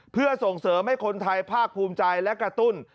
เพื่อส่งเสริมให้คนไทยภาคภูมิใจและกระตุ้น